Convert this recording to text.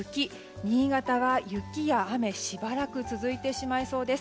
新潟は雪や雨しばらく続いてしまいそうです。